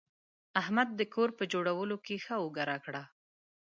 احمد د کور په جوړولو کې ښه اوږه راکړه.